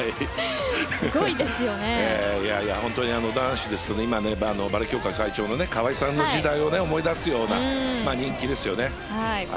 男子、今バレーボール協会会長の川合さんの時代を思い出すような人気ですよね。